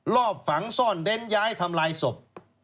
รอบฝังซ่อนเด้นย้ายทำลายศพ